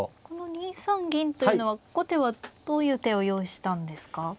この２三銀っていうのは後手はどういう手を用意したんですか。